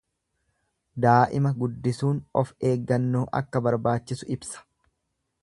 Daa'ima guddisuun of eeggannoo akka barbaachisu ibsa.